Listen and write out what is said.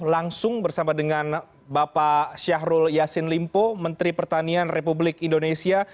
langsung bersama dengan bapak syahrul yassin limpo menteri pertanian republik indonesia